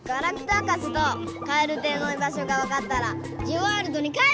博士とカエルテイのいばしょがわかったらジオワールドに帰るよ！